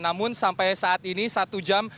namun sampai saat ini satu jam